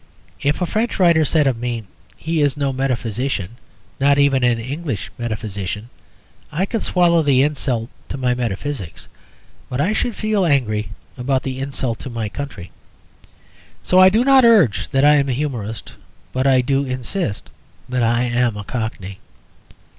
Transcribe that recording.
If a French writer said of me, "He is no metaphysician: not even an English metaphysician," I could swallow the insult to my metaphysics, but I should feel angry about the insult to my country. So I do not urge that I am a humourist; but I do insist that I am a Cockney.